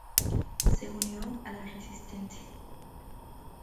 Se unió a la resistencia.